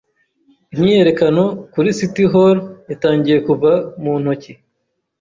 Imyiyerekano kuri City Hall yatangiye kuva mu ntoki.